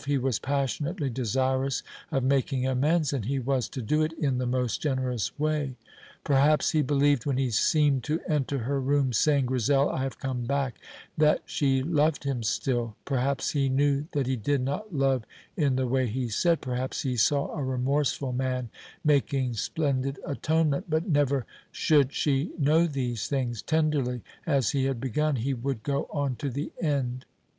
He was passionately desirous of making amends, and he was to do it in the most generous way. Perhaps he believed when he seemed to enter her room saying, "Grizel, I have come back," that she loved him still; perhaps he knew that he did not love in the way he said; perhaps he saw a remorseful man making splendid atonement: but never should she know these things; tenderly as he had begun he would go on to the end.